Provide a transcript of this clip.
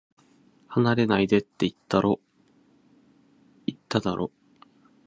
離れないでって、言っただろ